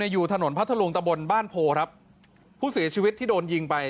อยู่ถนนพัทธรุงตะบนบ้านโพครับผู้เสียชีวิตที่โดนยิงไป